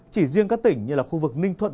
chỉ riêng các tỉnh như là khu vực ninh thuận